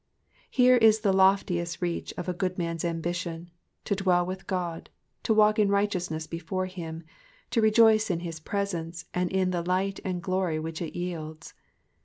Here is the loftiest reach of a good man^s ambition, to dwell with God, to walk in righteousness before him, to rejoice in his presence, and in the light and glory which it yields.